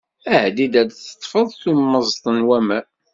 Ɛeddi-d ad d-teṭṭfeḍ tummeẓt n waman.